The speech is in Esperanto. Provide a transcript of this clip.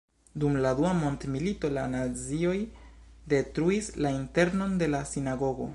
Dum la dua mondmilito la nazioj detruis la internon de la sinagogo.